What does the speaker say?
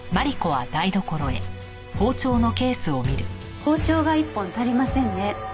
包丁が１本足りませんね。